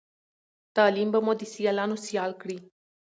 تعليم به مو د سیالانو سيال کړی